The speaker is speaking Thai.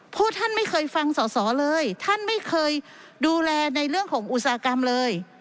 ท่านไม่เคยฟังสอสอเลยท่านไม่เคยดูแลในเรื่องของอุตสาหกรรมเลย